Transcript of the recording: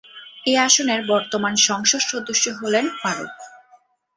এ আসনের বর্তমান সংসদ সদস্য হলেন ফারুক।